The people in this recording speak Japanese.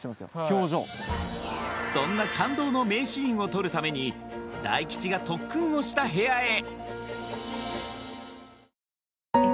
表情そんな感動の名シーンを撮るために大吉が特訓をした部屋へ！